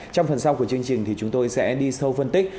trong phần sau của chương trình thì chúng tôi sẽ đi sâu phân tích